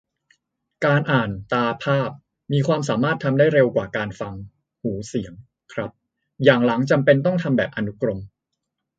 การอ่าน ตา-ภาพ มีความสามารถทำได้เร็วกว่าการฟัง หู-เสียง ครับ - อย่างหลังจำเป็นต้องทำแบบอนุกรม